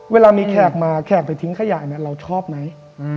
เวลามีแขกมาแขกไปทิ้งขยะเราชอบไหม